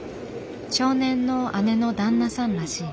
少年の姉の旦那さんらしい。